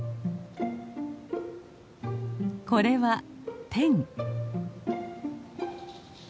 これはテン。